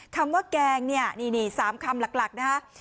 คำว่าแกงเนี่ยนี่๓คำหลักนะฮะ